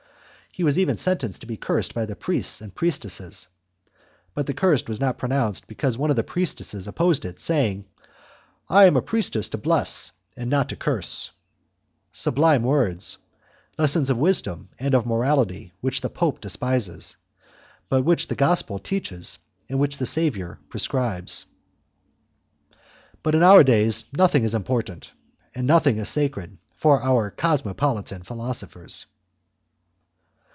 He was even sentenced to be cursed by the priests and priestesses, but the curse was not pronounced because one of the priestesses opposed it, saying: "I am a priestess to bless and not to curse!" Sublime words! Lessons of wisdom and of morality which the Pope despises, but which the Gospel teaches and which the Saviour prescribes. In our days nothing is important, and nothing is sacred, for our cosmopolitan philosophers.